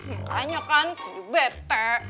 makanya kan sindi bete